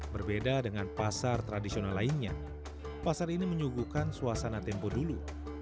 berbeda dengan pasar tradisional lainnya pasar ini menyuguhkan suasana tempo dulu